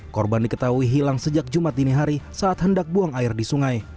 korban diketahui hilang sejak jumat dini hari saat hendak buang air di sungai